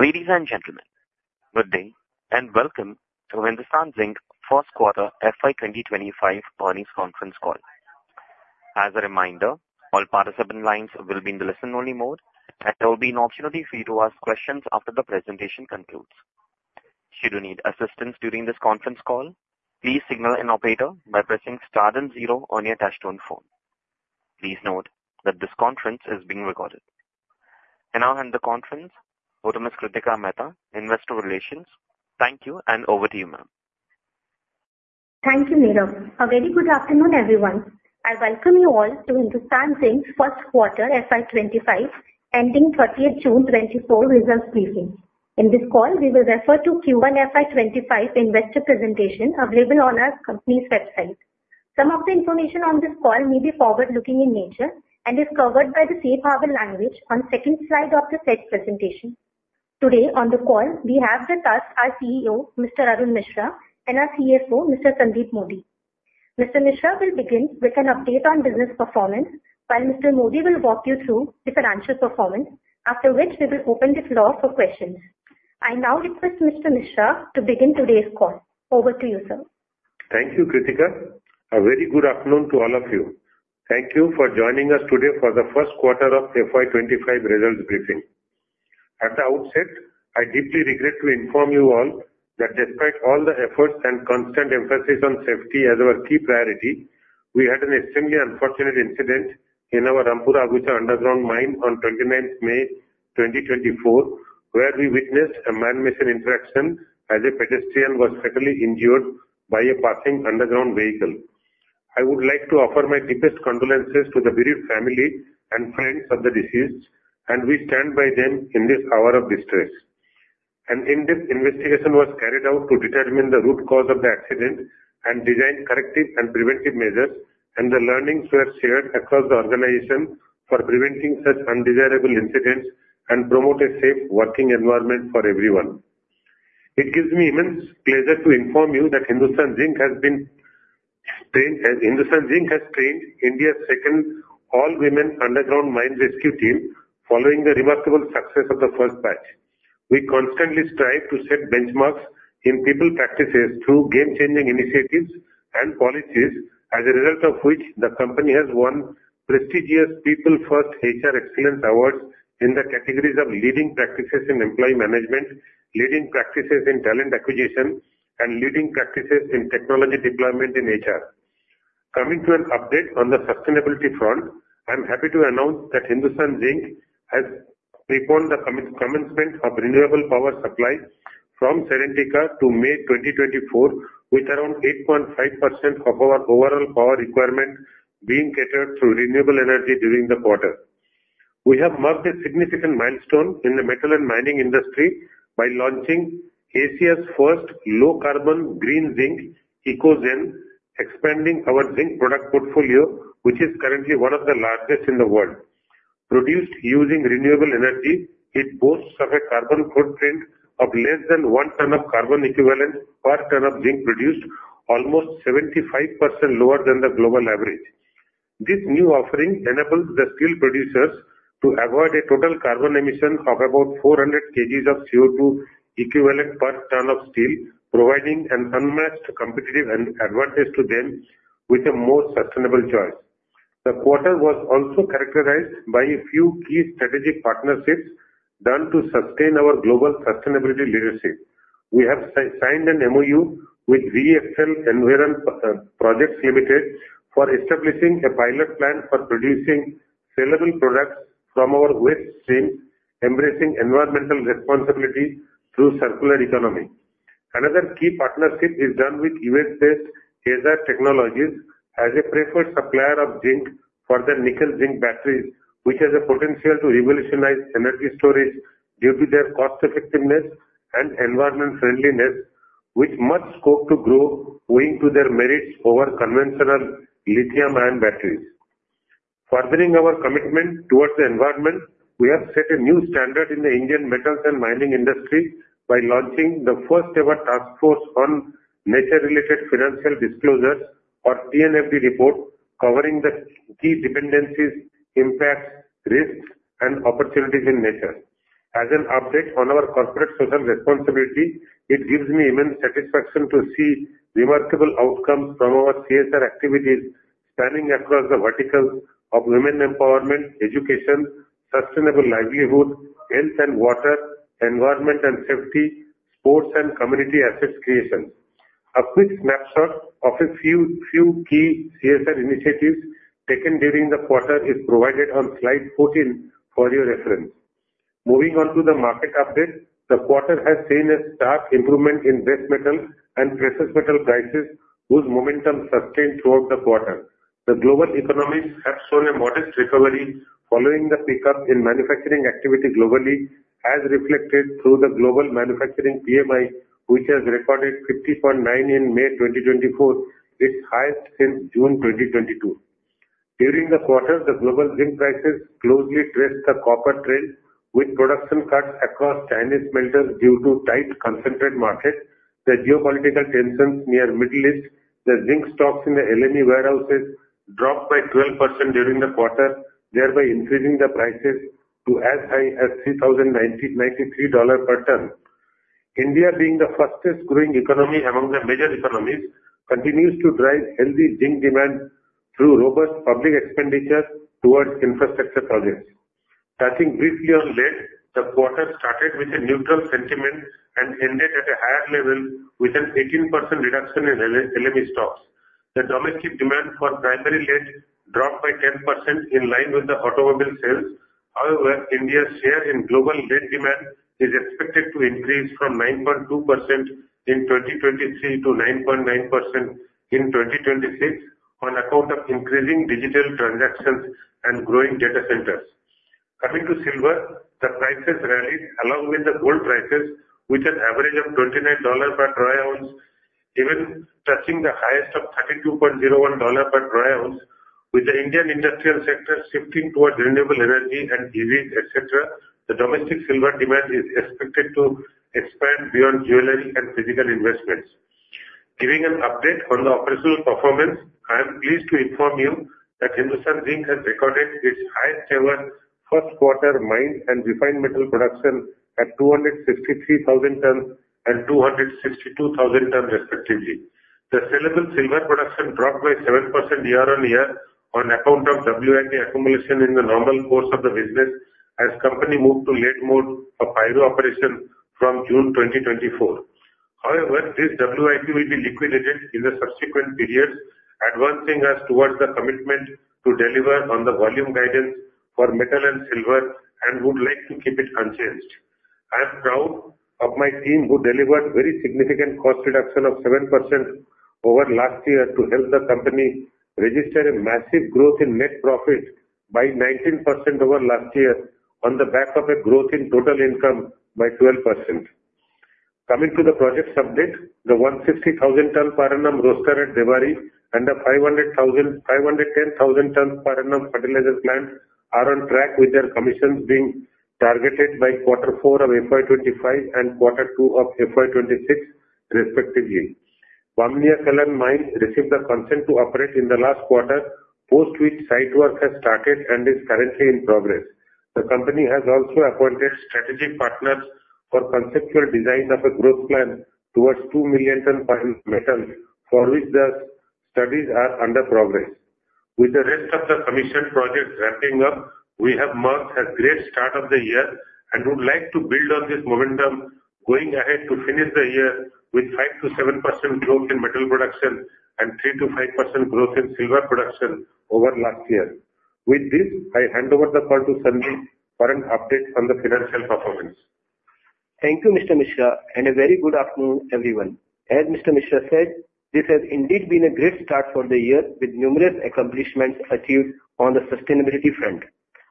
Ladies and gentlemen, good day, and welcome to Hindustan Zinc First Quarter FY 2025 Earnings Conference Call. As a reminder, all participant lines will be in the listen-only mode, and there will be an option for you to ask questions after the presentation concludes. Should you need assistance during this conference call, please signal an operator by pressing star and zero on your touchtone phone. Please note that this conference is being recorded. I now hand the conference over to Miss Kritika Mehta, Investor Relations. Thank you, and over to you, ma'am. Thank you, Nirav. A very good afternoon, everyone. I welcome you all to Hindustan Zinc's First Quarter FY 25, ending 30th June 2024 results briefing. In this call, we will refer to Q1 FY 25 investor presentation available on our company's website. Some of the information on this call may be forward-looking in nature and is covered by the safe harbor language on second slide of the said presentation. Today, on the call, we have with us our CEO, Mr. Arun Misra, and our CFO, Mr. Sandeep Modi. Mr. Misra will begin with an update on business performance, while Mr. Modi will walk you through the financial performance, after which we will open the floor for questions. I now request Mr. Misra to begin today's call. Over to you, sir. Thank you, Kritika. A very good afternoon to all of you. Thank you for joining us today for the first quarter of FY 25 results briefing. At the outset, I deeply regret to inform you all that despite all the efforts and constant emphasis on safety as our key priority, we had an extremely unfortunate incident in our Rampura Agucha underground mine on 29th May 2024, where we witnessed a man-machine interaction as a pedestrian was fatally injured by a passing underground vehicle. I would like to offer my deepest condolences to the bereaved family and friends of the deceased, and we stand by them in this hour of distress. An in-depth investigation was carried out to determine the root cause of the accident and design corrective and preventive measures, and the learnings were shared across the organization for preventing such undesirable incidents and promote a safe working environment for everyone. It gives me immense pleasure to inform you that Hindustan Zinc has trained India's second all-women underground mine rescue team, following the remarkable success of the first batch. We constantly strive to set benchmarks in people practices through game-changing initiatives and policies, as a result of which the company has won prestigious PeopleFirst HR Excellence Awards in the categories of Leading Practices in Employee Management, Leading Practices in Talent Acquisition, and Leading Practices in Technology Deployment in HR. Coming to an update on the sustainability front, I'm happy to announce that Hindustan Zinc has preponed the commencement of renewable power supply from Serentica to May 2024, with around 8.5% of our overall power requirement being catered through renewable energy during the quarter. We have marked a significant milestone in the metal and mining industry by launching Asia's first low-carbon green zinc, EcoZen, expanding our zinc product portfolio, which is currently one of the largest in the world. Produced using renewable energy, it boasts of a carbon footprint of less than 1 ton of carbon equivalent per ton of zinc produced, almost 75% lower than the global average. This new offering enables the steel producers to avoid a total carbon emission of about 400 kg of CO2 equivalent per ton of steel, providing an unmatched competitive advantage to them with a more sustainable choice. The quarter was also characterized by a few key strategic partnerships done to sustain our global sustainability leadership. We have signed an MoU with VEXL Environ Projects Private Limited, for establishing a pilot plant for producing sellable products from our waste stream, embracing environmental responsibility through circular economy. Another key partnership is done with US-based AEsir Technologies as a preferred supplier of zinc for their nickel zinc batteries, which has a potential to revolutionize energy storage due to their cost effectiveness and environmental friendliness, with much scope to grow, owing to their merits over conventional lithium-ion batteries. Furthering our commitment toward the environment, we have set a new standard in the Indian metals and mining industry by launching the first-ever task force on nature-related financial disclosures or TNFD report, covering the key dependencies, impacts, risks, and opportunities in nature. As an update on our corporate social responsibility, it gives me immense satisfaction to see remarkable outcomes from our CSR activities, spanning across the verticals of women empowerment, education, sustainable livelihood, health and water, environment and safety, sports, and community asset creation. A quick snapshot of a few key CSR initiatives taken during the quarter is provided on slide 14 for your reference. Moving on to the market update. The quarter has seen a sharp improvement in base metal and precious metal prices, whose momentum sustained throughout the quarter. The global economies have shown a modest recovery following the pickup in manufacturing activity globally, as reflected through the global manufacturing PMI, which has recorded 50.9 in May 2024, its highest since June 2022. During the quarter, the global zinc prices closely traced the copper trend, with production cuts across Chinese smelters due to tight concentrate market, the geopolitical tensions near Middle East, the zinc stocks in the LME warehouses dropped by 12% during the quarter, thereby increasing the prices to as high as $3,093 per ton. India, being the fastest growing economy among the major economies, continues to drive healthy zinc demand through robust public expenditure towards infrastructure projects. Touching briefly on lead, the quarter started with a neutral sentiment and ended at a higher level with an 18% reduction in LME stocks. The domestic demand for primary lead dropped by 10% in line with the automobile sales. However, India's share in global lead demand is expected to increase from 9.2% in 2023 to 9.9% in 2026, on account of increasing digital transactions and growing data centers. Coming to silver, the prices rallied along with the gold prices, with an average of $29 per troy ounce, even touching the highest of $32.01 per troy ounce. With the Indian industrial sector shifting towards renewable energy and EVs, et cetera, the domestic silver demand is expected to expand beyond jewelry and physical investments. Giving an update on the operational performance, I am pleased to inform you that Hindustan Zinc has recorded its highest ever first quarter mine and refined metal production at 263,000 tons and 262,000 tons, respectively. The sellable silver production dropped by 7% year-on-year on account of WIP accumulation in the normal course of the business as company moved to late mode of pyro operation from June 2024. However, this WIP will be liquidated in the subsequent periods, advancing us towards the commitment to deliver on the volume guidance for metal and silver, and would like to keep it unchanged. I am proud of my team, who delivered very significant cost reduction of 7% over last year to help the company register a massive growth in net profit by 19% over last year on the back of a growth in total income by 12%. Coming to the project update, the 160,000 tons per annum roaster at Debari and the 500,000-510,000 tons per annum fertilizer plant are on track with their commissioning being targeted by Quarter 4 of FY 2025 and Quarter 2 of FY 2026 respectively. Bamnia Kalan Mine received the consent to operate in the last quarter, post which site work has started and is currently in progress. The company has also appointed strategic partners for conceptual design of a growth plan towards 2 million tons fine metal, for which the studies are under progress. With the rest of the commission projects wrapping up, we have marked a great start of the year and would like to build on this momentum, going ahead to finish the year with 5%-7% growth in metal production and 3%-5% growth in silver production over last year. With this, I hand over the call to Sandeep for an update on the financial performance. Thank you, Mr. Misra, and a very good afternoon, everyone. As Mr. Misra said, this has indeed been a great start for the year, with numerous accomplishments achieved on the sustainability front.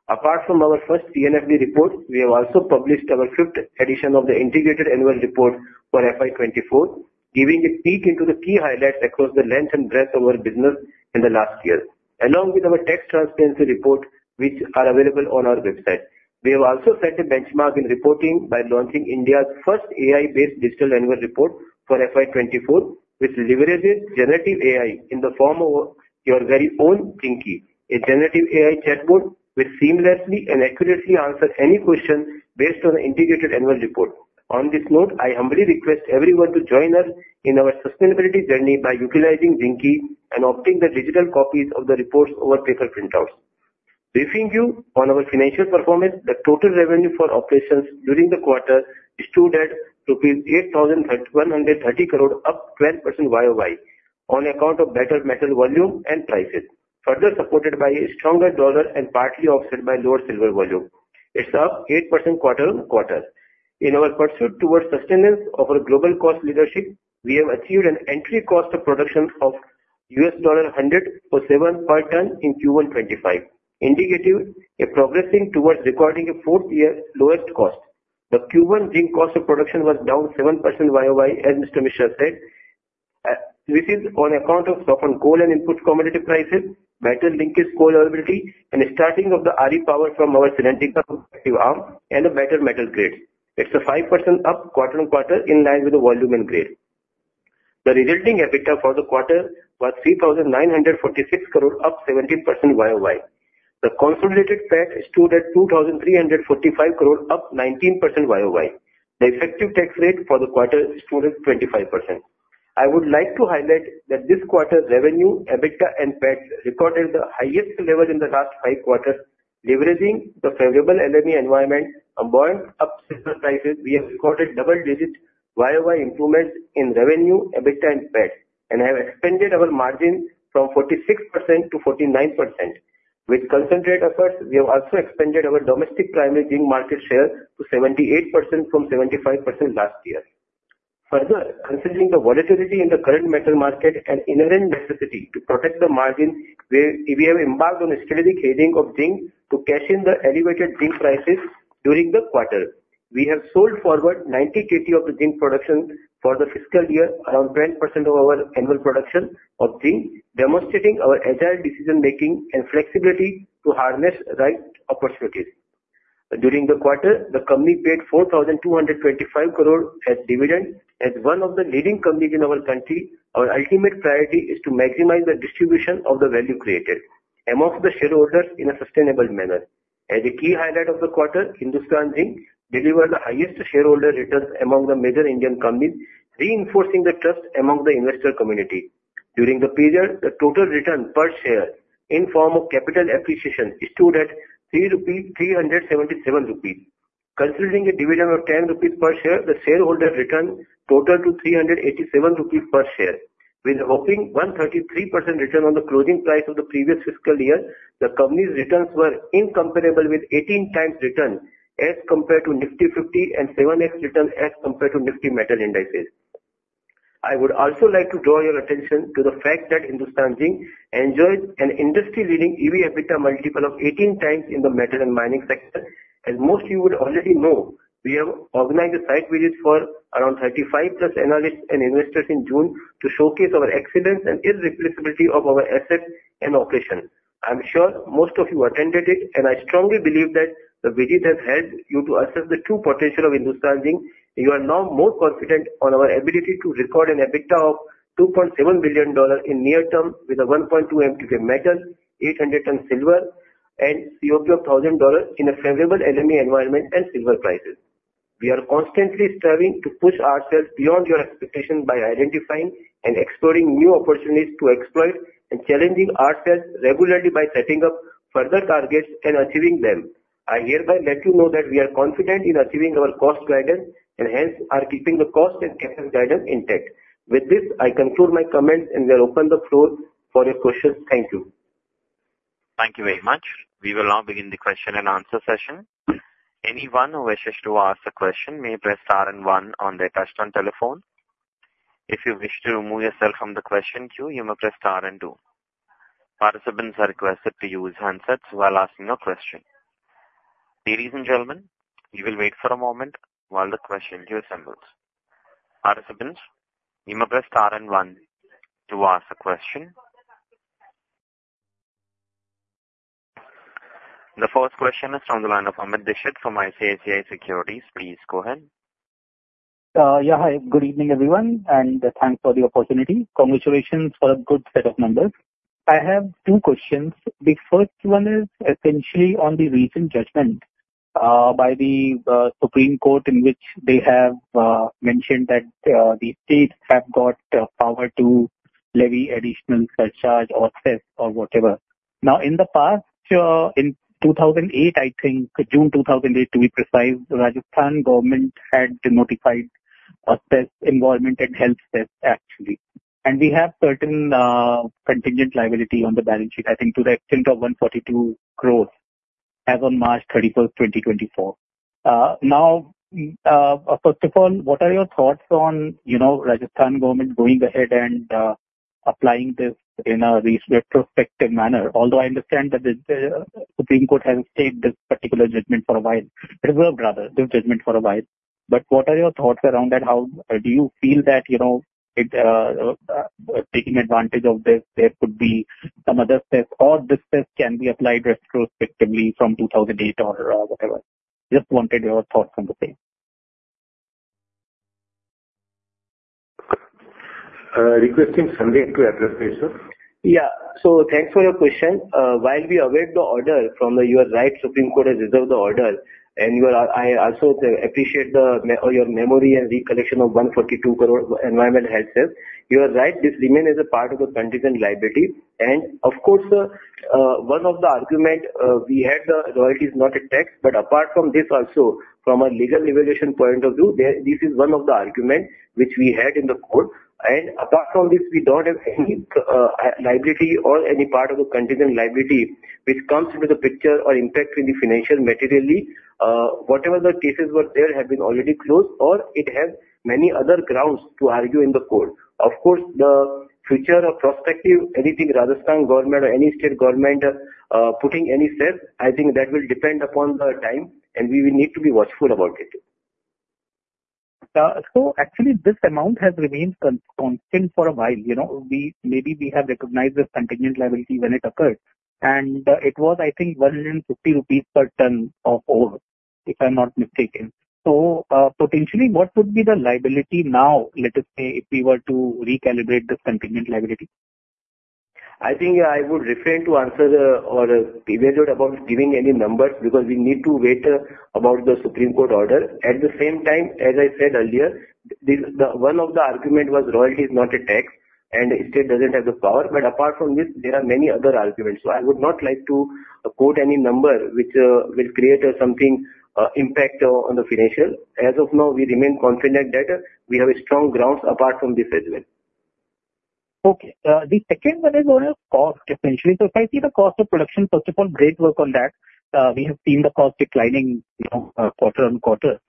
Apart from our first TNFD report, we have also published our fifth edition of the Integrated Annual Report for FY 2024, giving a peek into the key highlights across the length and breadth of our business in the last year, along with our Tax Transparency Report, which are available on our website. We have also set a benchmark in reporting by launching India's first AI-based digital annual report for FY 2024, which leverages generative AI in the form of your very own Zincky, a generative AI chatbot which seamlessly and accurately answers any questions based on the integrated annual report. On this note, I humbly request everyone to join us in our sustainability journey by utilizing Zincky and opting for the digital copies of the reports over paper printouts. Briefing you on our financial performance, the total revenue for operations during the quarter stood at 8,130 crore, up 12% YOY, on account of better metal volume and prices, further supported by a stronger dollar and partly offset by lower silver volume. It's up 8% quarter-on-quarter. In our pursuit towards sustenance of our global cost leadership, we have achieved an entry cost of production of $107 per ton in Q1 2025, indicating a progression towards recording a fourth-year-lowest cost. The Q1 zinc cost of production was down 7% YOY, as Mr. Misra said, this is on account of softening coal and input commodity prices, better linkage, coal availability, and starting of the RE power from our Serentica captive arm and a better metal grade. It's a 5% up quarter-on-quarter, in line with the volume and grade. The resulting EBITDA for the quarter was 3,946 crore, up 17% YOY. The consolidated PAT stood at 2,345 crore, up 19% YOY. The effective tax rate for the quarter stood at 25%. I would like to highlight that this quarter's revenue, EBITDA and PAT, recorded the highest level in the last five quarters. Leveraging the favorable LME environment and buoyant silver prices, we have recorded double-digit YOY improvements in revenue, EBITDA and PAT, and have expanded our margin from 46%- 49%. With concentrate efforts, we have also expanded our domestic primary zinc market share to 78% from 75% last year. Further, considering the volatility in the current metal market and inherent necessity to protect the margin, we have embarked on a strategic hedging of zinc to cash in the elevated zinc prices during the quarter. We have sold forward 90 KT of the zinc production for the fiscal year, around 10% of our annual production of zinc, demonstrating our agile decision making and flexibility to harness right opportunities. During the quarter, the company paid 4,225 crore as dividend. As one of the leading companies in our country, our ultimate priority is to maximize the distribution of the value created amongst the shareholders in a sustainable manner. As a key highlight of the quarter, Hindustan Zinc delivered the highest shareholder returns among the major Indian companies, reinforcing the trust among the investor community. During the period, the total return per share in form of capital appreciation stood at 377 rupees. Considering a dividend of 10 rupees per share, the shareholder return total to 387 rupees per share, with a whopping 1.3% return on the closing price of the previous fiscal year. The company's returns were incomparable with 18x return as compared to Nifty 50 and 7x return as compared to Nifty Metal Indices. I would also like to draw your attention to the fact that Hindustan Zinc enjoyed an industry-leading EV/EBITDA multiple of 18x in the metal and mining sector. As most of you would already know, we have organized the site visits for around 35+ analysts and investors in June to showcase our excellence and irreplicability of our assets and operations. I'm sure most of you attended it, and I strongly believe that the visit has helped you to assess the true potential of Hindustan Zinc. You are now more confident on our ability to record an EBITDA of $2.7 billion in near term, with a 1.2 MT metal, 800 ton silver and COP of $1,000 in a favorable LME environment and silver prices. We are constantly striving to push ourselves beyond your expectations by identifying and exploring new opportunities to exploit and challenging ourselves regularly by setting up further targets and achieving them. I hereby let you know that we are confident in achieving our cost guidance and hence are keeping the cost and capital guidance intact. With this, I conclude my comments and will open the floor for your questions. Thank you. Thank you very much. We will now begin the question and answer session. Anyone who wishes to ask a question may press star and one on their touchtone telephone. If you wish to remove yourself from the question queue, you may press star and two. Participants are requested to use handsets while asking your question. Ladies and gentlemen, you will wait for a moment while the question queue assembles. Participants, you may press star and one to ask a question. The first question is from the line of Amit Dixit from ICICI Securities. Please go ahead. Yeah. Hi, good evening, everyone, and thanks for the opportunity. Congratulations for a good set of numbers. I have two questions. The first one is essentially on the recent judgment by the Supreme Court, in which they have mentioned that the state have got the power to levy additional surcharge or cess or whatever. Now, in the past, in 2008, I think, June 2008, to be precise, Rajasthan government had notified a cess, environment and health cess, actually. We have certain contingent liability on the balance sheet, I think, to the extent of 142 crore as on March 31, 2024. Now, first of all, what are your thoughts on, you know, Rajasthan government going ahead and applying this in a retrospective manner? Although I understand that the Supreme Court has stayed this particular judgment for a while, reserved rather, this judgment for a while. But what are your thoughts around that? How do you feel that, you know, it taking advantage of this, there could be some other steps or this step can be applied retrospectively from 2008 or, whatever? Just wanted your thoughts on the same. Requesting Sandeep to address this, sir. Yeah. So thanks for your question. While we await the order from the, you are right, Supreme Court has reserved the order, and you are- I also appreciate the, your memory and recollection of 142 crore environmental health cess. You are right, this remain as a part of the contingent liability. And of course, one of the argument, we had the royalty is not a tax. But apart from this also, from a legal evaluation point of view, there, this is one of the argument which we had in the court. And apart from this, we don't have any, liability or any part of the contingent liability which comes into the picture or impact in the financial materially. Whatever the cases were there have been already closed, or it has many other grounds to argue in the court. Of course, the future or prospective, anything Rajasthan government or any state government putting any steps, I think that will depend upon the time, and we will need to be watchful about it. So actually, this amount has remained constant for a while. You know, we, maybe we have recognized this contingent liability when it occurred, and it was, I think, 1.05 million rupees per ton of ore, if I'm not mistaken. So, potentially, what would be the liability now, let us say, if we were to recalibrate this contingent liability? I think I would refrain to answer or evaluate about giving any numbers, because we need to wait about the Supreme Court order. At the same time, as I said earlier, the one of the argument was royalty is not a tax and state doesn't have the power. But apart from this, there are many other arguments. So I would not like to quote any number which will create something impact on the financial. As of now, we remain confident that we have a strong grounds apart from this as well. Okay. The second one is on your cost, essentially. So if I see the cost of production, first of all, great work on that. We have seen the cost declining, you know, quarter-on-quarter.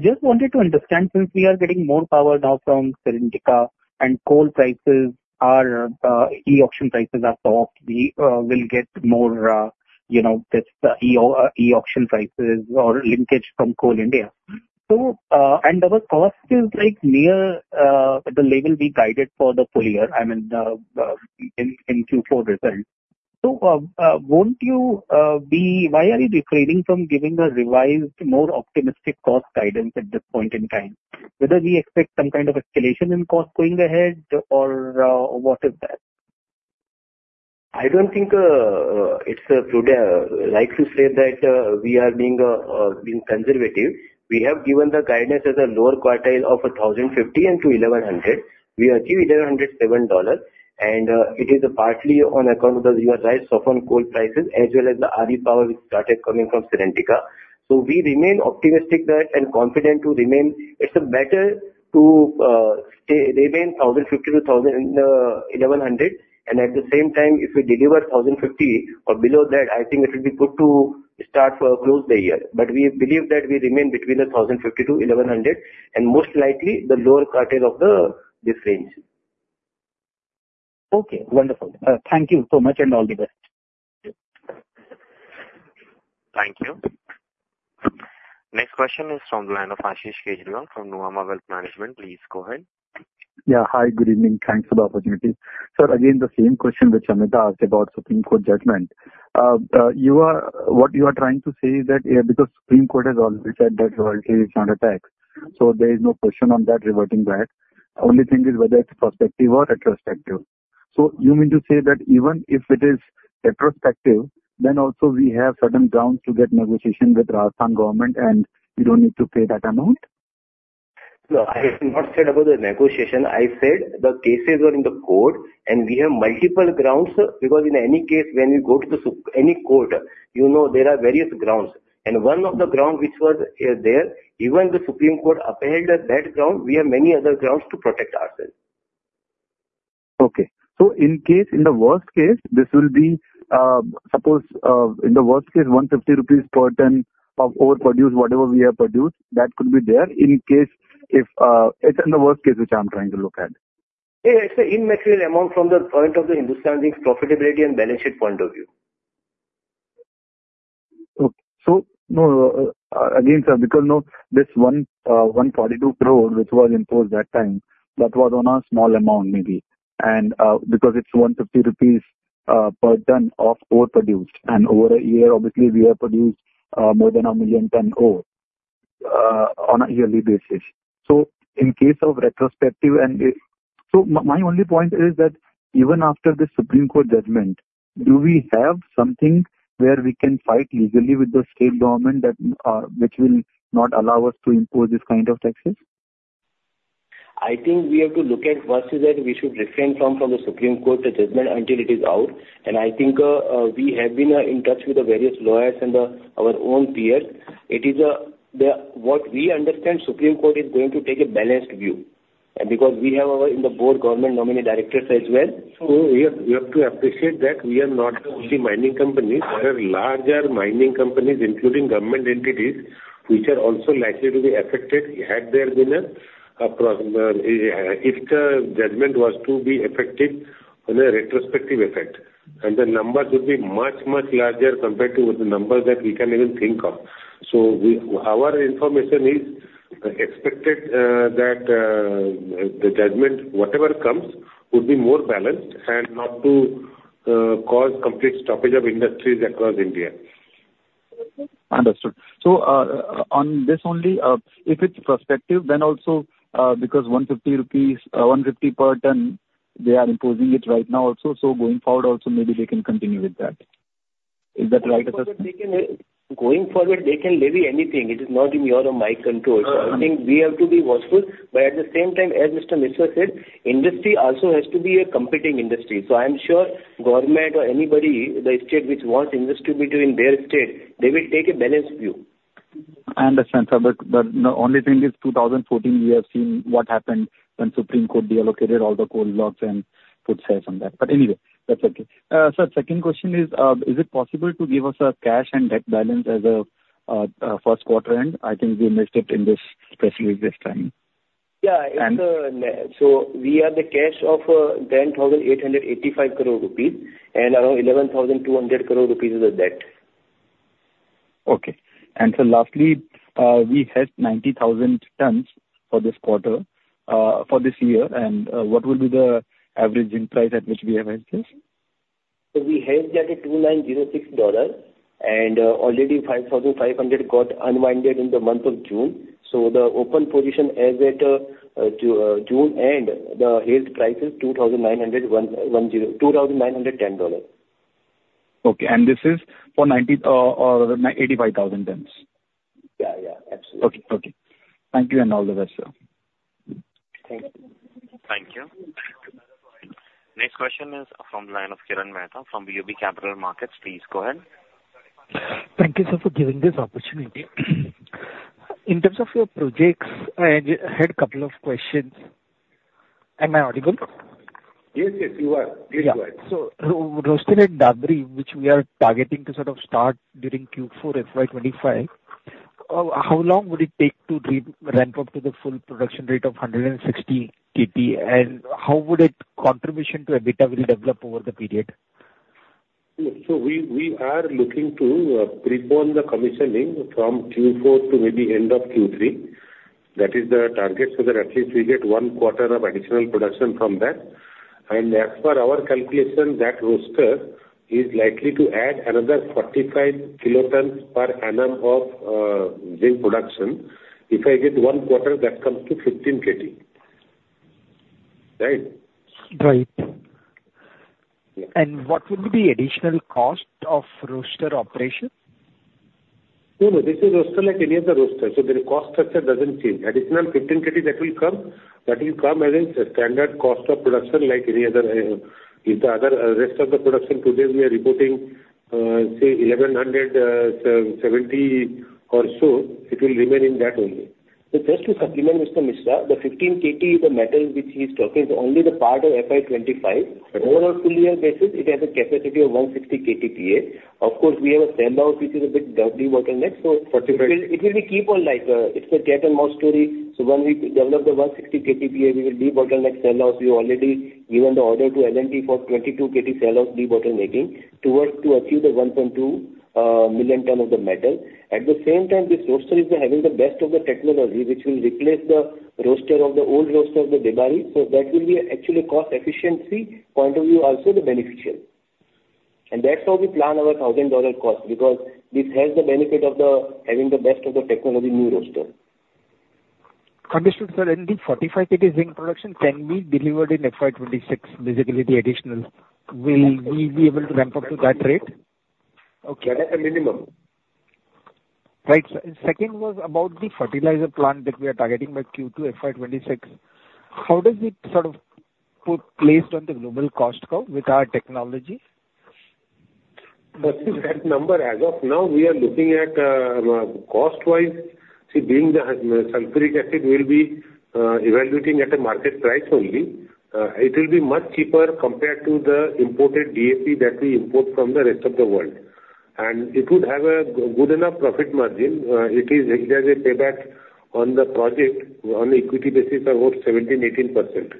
Just wanted to understand, since we are getting more power now from Serentica and coal prices are, e-auction prices are topped, we will get more, you know, these e-auction prices or linkage from Coal India. So, and our cost is, like, near, the level we guided for the full year. I mean, the in Q4 results.... So, why are you refraining from giving a revised, more optimistic cost guidance at this point in time? Whether we expect some kind of escalation in cost going ahead or, what is that? I don't think it's right to say that we are being conservative. We have given the guidance as a lower quartile of 1,050 to 1,100. We are giving $1,107, and it is partly on account of the rise in coal prices, as well as the RE power which started coming from Serentica. So we remain optimistic that, and confident to remain. It's better to stay, remain 1,050 to 1,100, and at the same time, if we deliver 1,050 or below that, I think it will be good to close the year. But we believe that we remain between 1,050 to 1,100, and most likely the lower quartile of this range. Okay, wonderful. Thank you so much, and all the best. Thank you. Next question is from the line of Ashish Kejriwal from Nuvama Institutional Equities. Please go ahead. Yeah. Hi, good evening. Thanks for the opportunity. Sir, again, the same question which I may ask about Supreme Court judgment. You are. What you are trying to say is that, yeah, because Supreme Court has already said that royalty is not a tax, so there is no question on that reverting back. Only thing is whether it's prospective or retrospective. So you mean to say that even if it is retrospective, then also we have certain grounds to get negotiation with Rajasthan government, and we don't need to pay that amount? No, I have not said about the negotiation. I said the cases are in the court, and we have multiple grounds. Because in any case, when you go to any court, you know, there are various grounds, and one of the ground which was there, even the Supreme Court upheld that ground, we have many other grounds to protect ourselves. Okay. So in case, in the worst case, this will be, suppose, in the worst case, 150 rupees per ton of overproduce, whatever we have produced, that could be there in case if, it's in the worst case, which I'm trying to look at. Yeah, it's an immaterial amount from the point of the Hindustan Zinc's profitability and benefit point of view. So, no, again, sir, because now this one, 142 crore, which was imposed that time, that was on a small amount maybe, and, because it's 150 rupees per ton of overproduced, and over a year, obviously we have produced more than 1 million tons of ore on a yearly basis. So in case of retrospective and... So my only point is that even after the Supreme Court judgment, do we have something where we can fight legally with the state government that which will not allow us to impose these kind of taxes? I think we have to look at first is that we should refrain from the Supreme Court judgment until it is out. And I think we have been in touch with the various lawyers and our own peers. It is what we understand, the Supreme Court is going to take a balanced view, and because we have, in our board, government nominee directors as well. So we have to appreciate that we are not the only mining company. There are larger mining companies, including government entities, which are also likely to be affected had there been if the judgment was to be effective on a retrospective effect. The numbers would be much, much larger compared to the numbers that we can even think of. So our information is expected that the judgment, whatever comes, would be more balanced and not to cause complete stoppage of industries across India. Understood. So, on this only, if it's prospective, then also, because 150 rupees, 150 per ton, they are imposing it right now also, so going forward also, maybe they can continue with that. Is that right? Going forward, they can levy anything. It is not in your or my control. Uh-uh. I think we have to be watchful. But at the same time, as Mr. Misra said, industry also has to be a competing industry. I'm sure government or anybody, the state which wants industry to be in their state, they will take a balanced view. I understand, sir, but the only thing is, 2014, we have seen what happened when Supreme Court deallocated all the coal blocks and put sales on that. But anyway, that's okay. Sir, second question is, is it possible to give us a cash and debt balance as of first quarter end? I think we missed it in this, especially this time. Yeah. And- We have the cash of 10,885 crore rupees and around 11,200 crore rupees as a debt. Okay. And so lastly, we hedged 90,000 tons for this quarter, for this year, and, what will be the averaging price at which we have hedged this? So we hedged at $2,906, and already 5,500 got unwinded in the month of June. So the open position as at June end, the hedged price is $2,901, $10, $2,910. Okay, and this is for 90,000 or 85,000 tons? Yeah, yeah. Absolutely. Okay, okay. Thank you, and all the best, sir. Thank you. Thank you. Next question is from the line of Kirtan Mehta from BOB Capital Markets. Please go ahead. Thank you, sir, for giving this opportunity. In terms of your projects, I had a couple of questions. Am I audible? Yes, yes, you are. Please go ahead. Yeah. So Roaster and Dadri, which we are targeting to sort of start during Q4 FY 2025, how long would it take to re-ramp up to the full production rate of 160 KT? And how would its contribution to EBITDA will develop over the period? So we, we are looking to prepone the commissioning from Q4 to maybe end of Q3. That is the target, so that at least we get one quarter of additional production from that. And as per our calculation, that roaster is likely to add another 45 kilotons per annum of zinc production. If I get one quarter, that comes to 15 KT. Right? Right. Yeah. What would be the additional cost of roaster operation? No, no, this is roaster like any other roaster, so the cost structure doesn't change. Additional 15 KT that will come, that will come as a standard cost of production like any other. If the other, rest of the production today we are reporting, say 1,100, 70 or so, it will remain in that only. So just to supplement, Mr. Misra, the 15 KT is a metal which he's talking, is only the part of FY 25. Right. But over a full-year basis, it has a capacity of 160 KTPA. Of course, we have a cell which is a bit debottlenecked. Forty-five. So it will be keep on like, it's a cat and mouse story. So when we develop the 160 KTPA, we will debottleneck cell house. We already given the order to L&T for 22 KT cell house debottlenecking, towards to achieve the 1.2 million ton of the metal. At the same time, this roaster is having the best of the technology, which will replace the roaster of the old roaster of the Debari. So that will be actually cost efficiency, point of view also the beneficial. And that's how we plan our $1,000 cost, because this has the benefit of the, having the best of the technology new roaster. Understood, sir. The 45 KT zinc production can be delivered in FY 2026, visibility additional. Will we be able to ramp up to that rate? Okay. That is the minimum. Right. Second was about the fertilizer plant that we are targeting by Q2 FY26. How does it sort of place on the global cost curve with our technology? That number as of now, we are looking at, cost-wise, see, being the sulfuric acid, we'll be evaluating at a market price only. It will be much cheaper compared to the imported DAP that we import from the rest of the world. It would have a good enough profit margin. It is, it has a payback on the project on equity basis of about 17-18%.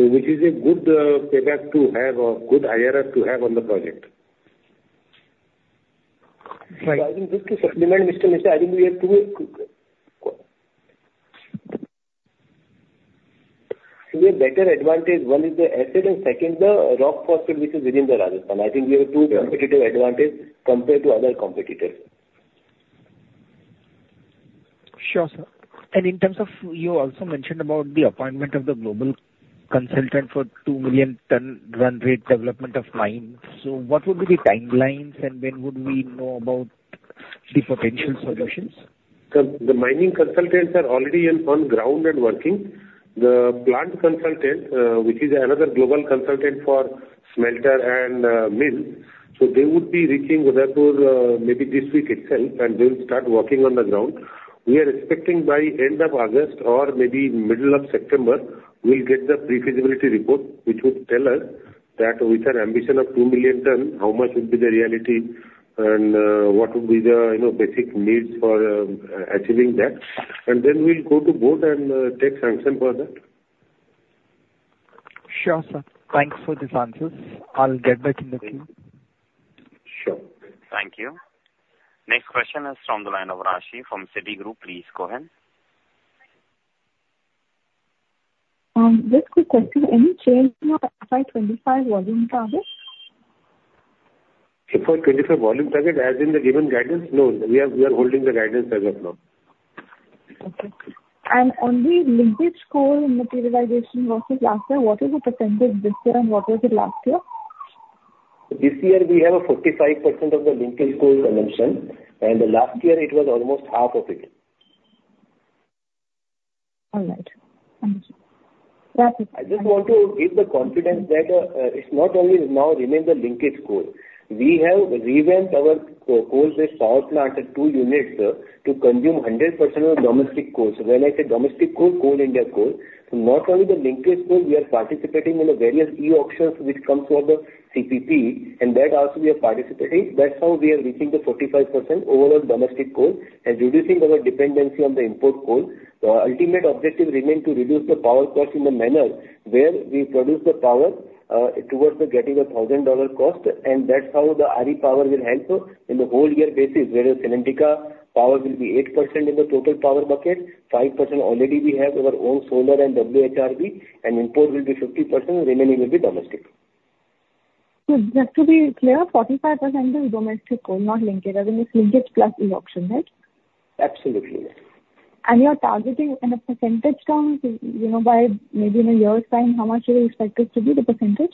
Which is a good payback to have a good IRR to have on the project. Right. So I think just to supplement, Mr. Misra, I think we have two. We have better advantage, one is the acid, and second, the rock phosphate which is within the Rajasthan. I think we have two competitive advantage compared to other competitors. Sure, sir. And in terms of, you also mentioned about the appointment of the global consultant for 2 million ton run rate development of mine. So what would be the timelines, and when would we know about the potential solutions? The mining consultants are already in on ground and working. The plant consultant, which is another global consultant for smelter and mill, so they would be reaching Udaipur, maybe this week itself, and they'll start working on the ground. We are expecting by end of August or maybe middle of September, we'll get the pre-feasibility report, which would tell us that with our ambition of 2 million ton, how much would be the reality, and what would be the, you know, basic needs for achieving that. And then we'll go to board and take sanction further. Sure, sir. Thanks for these answers. I'll get back in the queue. Sure. Thank you. Next question is from the line of Rashi from Citigroup. Please go ahead. Just quick question, any change in our FY 25 volume target? FY 25 volume target as in the given guidance? No, we are, we are holding the guidance as of now. Okay. On the linkage coal materialization versus last year, what is the percentage this year and what was it last year? This year, we have a 45% of the linkage coal consumption, and the last year, it was almost half of it. All right. Thank you. I just want to give the confidence that, it's not only now remain the linkage coal. We have revamped our coal-based power plant at two units, to consume 100% of domestic coal. So when I say domestic coal, Coal India coal. So not only the linkage coal, we are participating in the various e-auctions which comes from the CPP, and that also we are participating. That's how we are reaching the 45% overall domestic coal and reducing our dependency on the import coal. The ultimate objective remain to reduce the power cost in the manner where we produce the power, towards the getting a $1,000 cost, and that's how the RE power will help us in the whole year basis, whereas Serentica power will be 8% in the total power bucket, 5% already we have our own solar and WHRB, and import will be 50%, remaining will be domestic. So just to be clear, 45% is domestic coal, not linkage. I mean, it's linkage plus e-auction, right? Absolutely. You are targeting in a percentage terms, you know, by maybe in a year's time, how much you are expected to be, the percentage?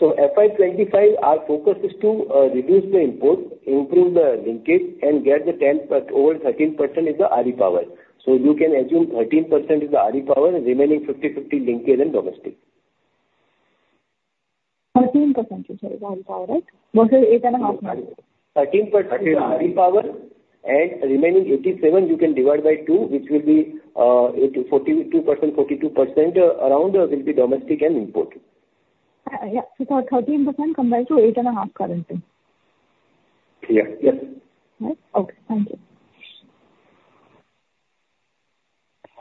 FY 25, our focus is to reduce the import, improve the linkage and get the 10% over 13% is the RE power. So you can assume 13% is the RE power, and remaining 50/50, linkage and domestic. 13% is the RE power, right? Mostly 8.5 now. 13% is RE power, and remaining 87, you can divide by two, which will be 42%, 42%, around, will be domestic and import. Yeah. So 13% compared to 8.5 currently. Yeah. Yes. Right. Okay, thank you.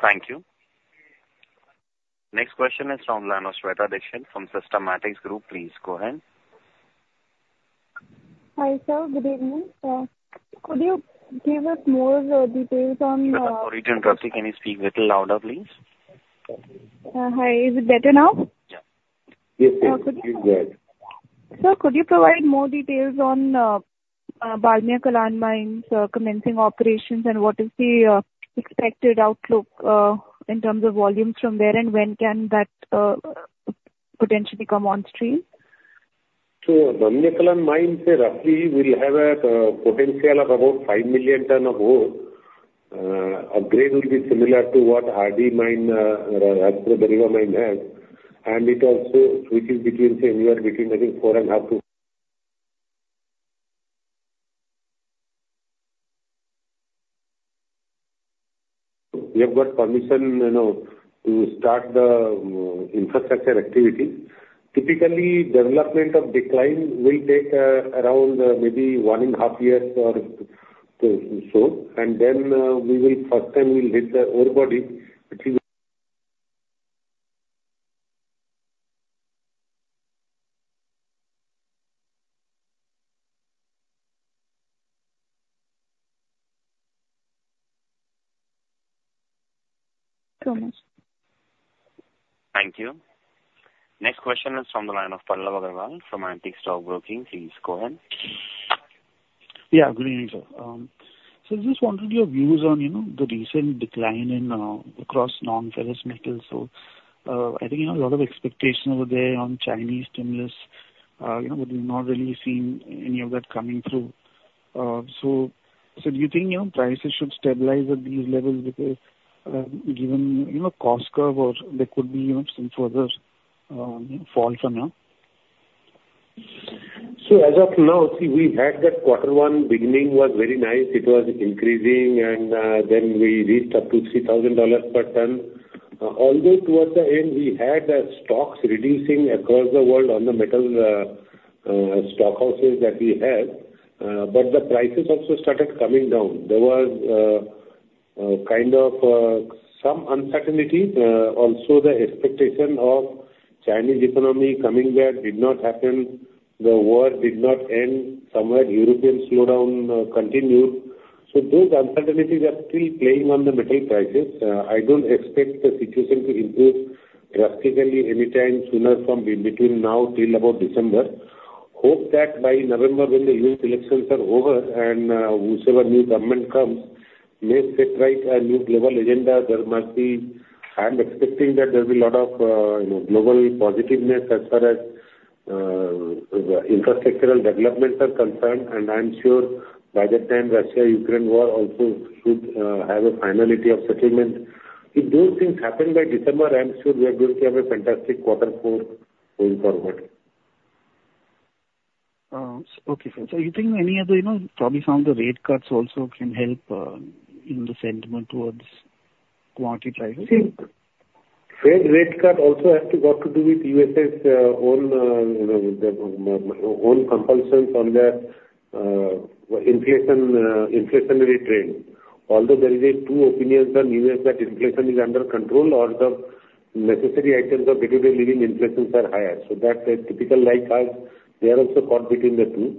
Thank you. Next question is from line of Shweta Dikshit from Systematix Group. Please go ahead.... Hi, sir. Good evening. Could you give us more details on, Sorry, due to traffic, can you speak little louder, please? Hi. Is it better now? Yeah. Yes, yes, it's good. Sir, could you provide more details on Bamnia Kalan mines commencing operations, and what is the expected outlook in terms of volumes from there, and when can that potentially come on stream? So Bamnia Kalan mine, say, roughly we'll have a potential of about 5 million tons of ore. Upgrade will be similar to what RA mine, Rampura Agucha mine has. And it also switches between, say, anywhere between, I think, 4.5 to... We have got permission, you know, to start the infrastructure activity. Typically, development of decline will take around maybe 1.5 years or so, so, and then, we will first time we'll hit the ore body, which is- Thank you so much. Thank you. Next question is from the line of Pallav Agarwal from Antique Stock Broking. Please go ahead. Yeah. Good evening, sir. So just wanted your views on, you know, the recent decline in across non-ferrous metals. So, I think, you know, a lot of expectations were there on Chinese stimulus, you know, but we've not really seen any of that coming through. So do you think, you know, prices should stabilize at these levels because, given, you know, cost curve or there could be, you know, some further falls from now? So as of now, see, we had that quarter one beginning was very nice. It was increasing, and then we reached up to $3,000 per ton. Although towards the end, we had the stocks reducing across the world on the metal stockhouses that we had, but the prices also started coming down. There was kind of some uncertainty. Also the expectation of Chinese economy coming back did not happen. The war did not end. Somewhere, European slowdown continued. So those uncertainties are still playing on the metal prices. I don't expect the situation to improve drastically anytime sooner from in between now till about December. Hope that by November when the U.S. elections are over and whosoever new government comes, may set right a new global agenda. There must be... I'm expecting that there'll be a lot of, you know, global positiveness as far as, the infrastructural developments are concerned, and I'm sure by that time, Russia-Ukraine war also should, have a finality of settlement. If those things happen by December, I'm sure we are going to have a fantastic quarter four going forward. Okay, sir. So you think any other, you know, probably some of the rate cuts also can help in the sentiment towards quantity pricing? See, Fed rate cut also has to, what to do with U.S., own, you know, the own compulsions on their, inflation, inflationary trend. Although there is two opinions on U.S., that inflation is under control or the necessary items of day-to-day living inflations are higher, so that's a typical like us, we are also caught between the two.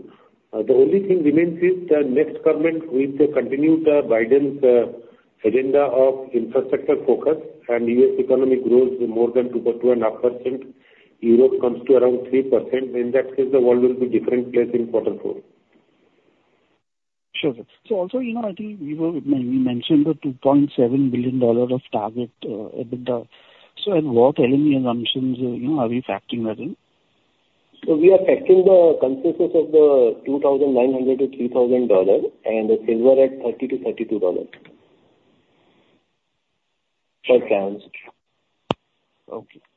The only thing remains is the next government, will they continue the Biden's, agenda of infrastructure focus and U.S. economic growth more than 2.2%-2.5%? Europe comes to around 3%. In that case, the world will be different place in quarter four. Sure, sir. So also, you know, I think you mentioned the $2.7 billion target EBITDA. So at what elemental assumptions, you know, are we factoring that in? We are factoring the consensus of the $2,900-$3,000, and the silver at $30-$32. Okay.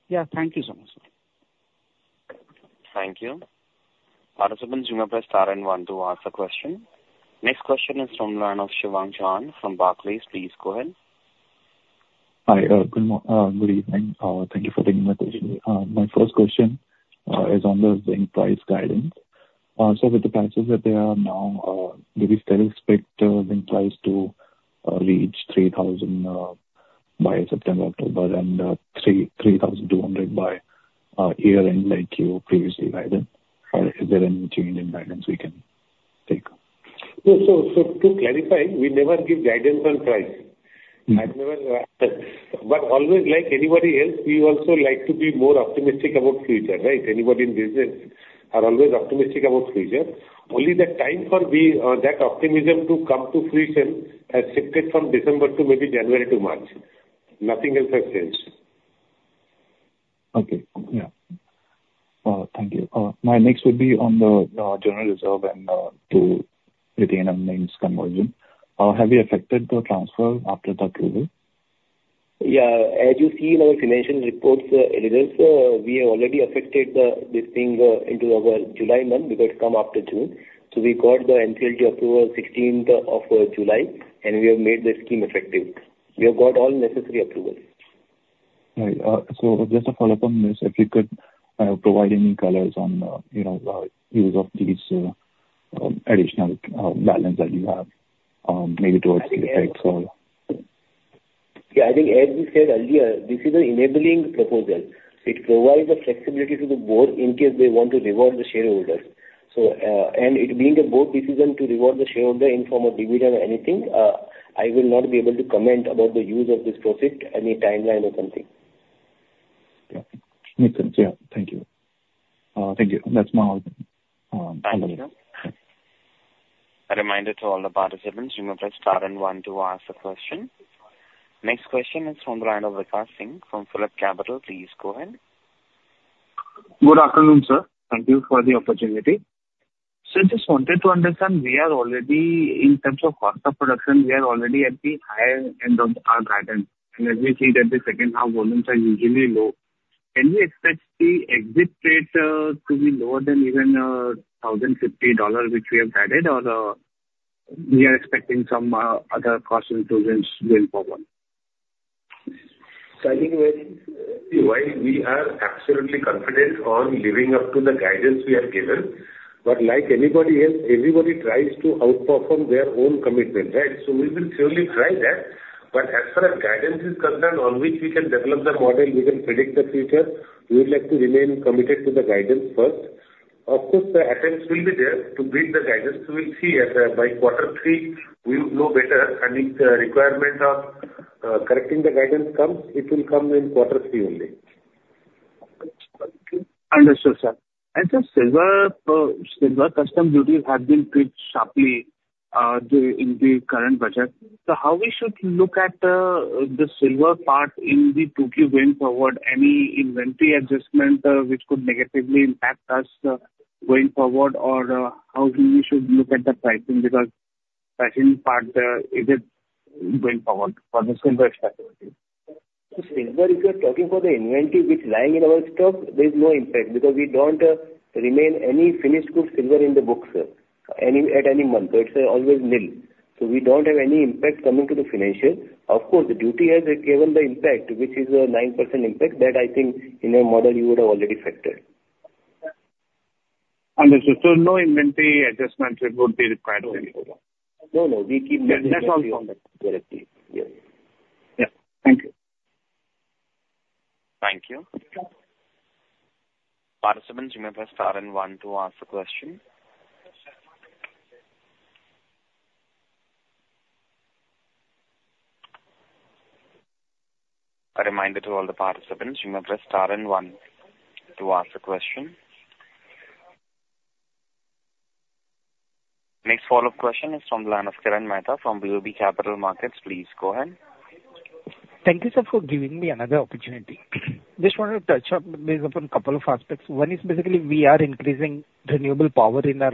Yeah. Thank you so much, sir. Thank you. Participants, you may press star and one to ask a question. Next question is from line of Shivang Chauhan from Barclays. Please go ahead. Hi. Good evening. Thank you for the invitation. My first question is on the zinc price guidance. So with the prices that they are now, do we still expect zinc price to reach $3,000 by September, October, and $3,200 by year end, like you previously guided? Or is there any change in guidance we can take? So, to clarify, we never give guidance on price. Mm-hmm. I've never, but always, like anybody else, we also like to be more optimistic about future, right? Anybody in business are always optimistic about future. Only the time for we, that optimism to come to fruition has shifted from December to maybe January to March. Nothing else has changed. Okay. Yeah. Thank you. My next would be on the general reserve and to Retained Earnings conversion. Have you effected the transfer after the approval? Yeah. As you see in our financial reports, results, we have already affected the, this being, into our July month because it come after June. So we got the NCLT approval 16th of July, and we have made the scheme effective. We have got all necessary approvals. Right. So just to follow up on this, if you could provide any colors on, you know, use of these additional balance that you have, maybe towards the effects or?... Yeah, I think as we said earlier, this is an enabling proposal. It provides the flexibility to the board in case they want to reward the shareholders. So, and it being a board decision to reward the shareholder in form of dividend or anything, I will not be able to comment about the use of this profit, any timeline or something. Yeah. Makes sense. Yeah. Thank you. Thank you. That's my, A reminder to all the participants, you may press star and one to ask the question. Next question is from the line of Vikas Singh from PhillipCapital. Please go ahead. Good afternoon, sir. Thank you for the opportunity. So just wanted to understand, we are already, in terms of cost of production, we are already at the higher end of our guidance, and as we see that the second half volumes are usually low. Can we expect the exit rate to be lower than even $1,050, which we have guided, or we are expecting some other cost improvements going forward? So I think why, we are absolutely confident on living up to the guidance we have given, but like anybody else, everybody tries to outperform their own commitment, right? So we will surely try that, but as far as guidance is concerned, on which we can develop the model, we can predict the future, we would like to remain committed to the guidance first. Of course, the attempts will be there to beat the guidance. We will see as by quarter three, we'll know better, and if the requirement of correcting the guidance comes, it will come in quarter three only. Understood, sir. Sir, silver customs duties have been tweaked sharply in the current budget. So how we should look at the silver part going forward, any inventory adjustment which could negatively impact us going forward? Or, how we should look at the pricing, because pricing part is it going forward for the silver? So silver, if you're talking for the inventory which is lying in our stock, there's no impact, because we don't remain any finished good silver in the books, sir, any, at any month. It's always nil. So we don't have any impact coming to the financial. Of course, the duty has given the impact, which is a 9% impact. That I think in your model you would have already factored. Understood. So no inventory adjustments would be required then? No, no. We keep- That's all. Correctly. Yeah. Yeah. Thank you. Thank you. Participants, you may press star and one to ask the question. A reminder to all the participants, you may press star and one to ask the question. Next follow-up question is from the line of Kirtan Mehta from BOB Capital Markets. Please go ahead. Thank you, sir, for giving me another opportunity. Just wanted to touch up based upon couple of aspects. One is basically we are increasing renewable power in our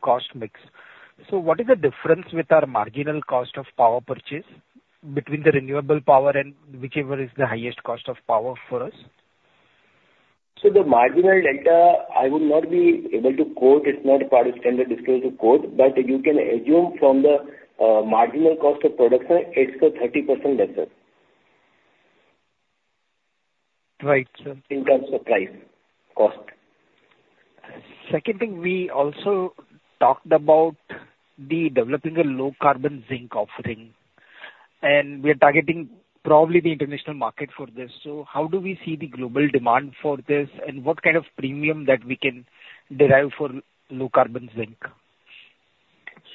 cost mix. So what is the difference with our marginal cost of power purchase between the renewable power and whichever is the highest cost of power for us? So the marginal delta, I would not be able to quote, it's not part of standard disclosure quote, but you can assume from the marginal cost of production, it's 30% less than. Right, sir. In terms of price, cost. Second thing, we also talked about the developing a low carbon zinc offering, and we are targeting probably the international market for this. So how do we see the global demand for this, and what kind of premium that we can derive for low carbon zinc?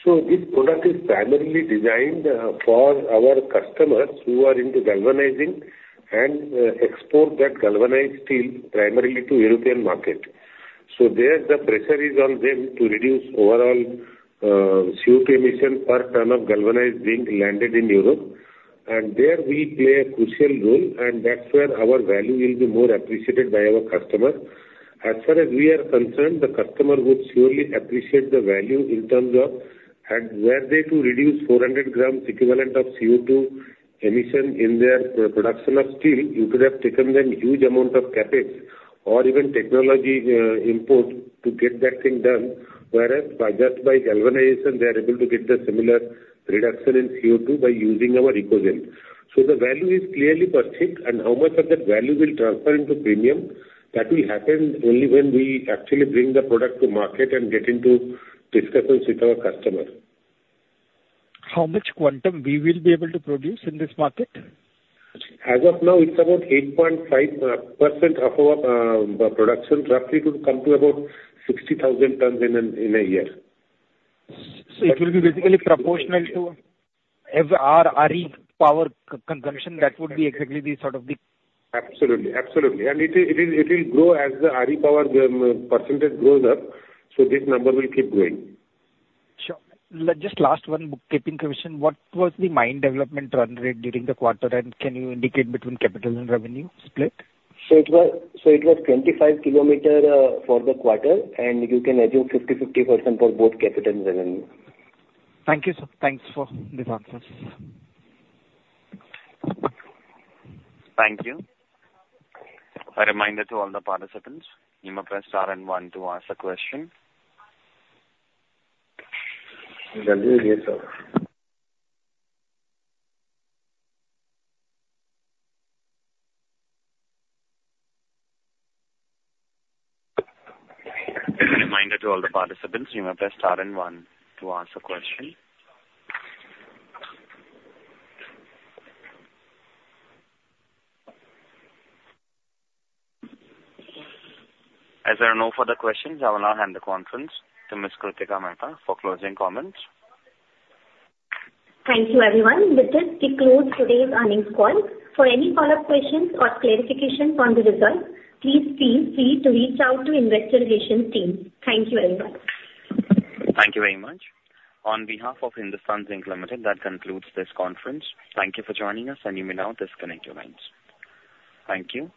So this product is primarily designed for our customers who are into galvanizing and export that galvanized steel primarily to European market. So there, the pressure is on them to reduce overall CO2 emission per ton of galvanized zinc landed in Europe. And there we play a crucial role, and that's where our value will be more appreciated by our customer. As far as we are concerned, the customer would surely appreciate the value in terms of, and were they to reduce 400 grams equivalent of CO2 emission in their production of steel, it would have taken them huge amount of CapEx or even technology import to get that thing done. Whereas by just by galvanization, they are able to get the similar reduction in CO2 by using our EcoZen. ESo the value is clearly perceived, and how much of that value will transfer into premium, that will happen only when we actually bring the product to market and get into discussions with our customers. How much quantum we will be able to produce in this market? As of now, it's about 8.5% of our production. Roughly it would come to about 60,000 tons in a year. It will be basically proportional to FR, RE power consumption. That would be exactly the sort of the- Absolutely. Absolutely. And it will, it will, it will grow as the RE power percentage goes up, so this number will keep growing. Sure. Just one last bookkeeping question. What was the mine development run rate during the quarter, and can you indicate between capital and revenue split? So it was 25 km for the quarter, and you can assume 50/50% for both capital and revenue. Thank you, sir. Thanks for the answers. Thank you. A reminder to all the participants, you may press star and one to ask the question. Thank you. Yes, sir. A reminder to all the participants, you may press star and one to ask a question. As there are no further questions, I will now hand the conference to Miss Kritika Mehta for closing comments. Thank you, everyone. With this, we close today's earnings call. For any follow-up questions or clarifications on the results, please feel free to reach out to investor relations team. Thank you, everyone. Thank you very much. On behalf of Hindustan Zinc Limited, that concludes this conference. Thank you for joining us, and you may now disconnect your lines. Thank you.